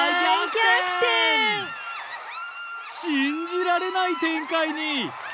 信じられない展開に！